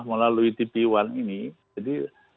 melalui tp satu ini